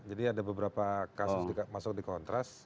jadi ada beberapa kasus masuk di kontras